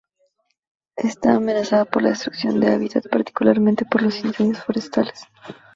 Está amenazada por la destrucción de hábitat, particularmente por los incendios forestales.